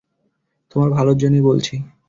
তোমার ভালোর জন্যই বলছি।